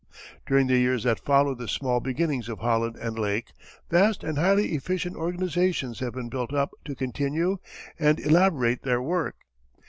During the years that followed the small beginnings of Holland and Lake, vast and highly efficient organizations have been built up to continue and elaborate their work.